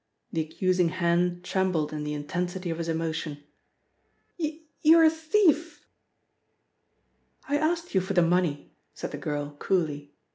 The accusing hand trembled in the intensity of his emotion. "You you are a thief!" "I asked you for the money," said the girl coolly.